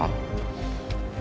tolong menangkan aku ya